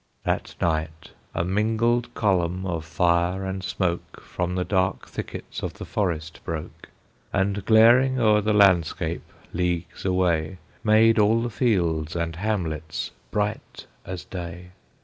That night, a mingled column of fire and smoke From the dark thickets of the forest broke, And, glaring o'er the landscape leagues away, Made all the fields and hamlets bright as day.